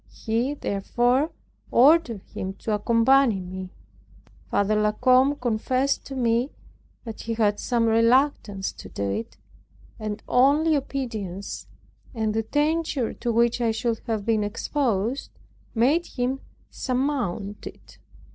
He therefore ordered him to accompany me. Father La Combe confessed to me that he had some reluctance to do it, and only obedience, and the danger to which I should have been exposed, made him surmount it.